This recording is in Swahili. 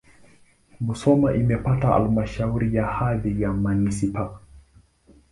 Musoma imepata halmashauri na hadhi ya manisipaa.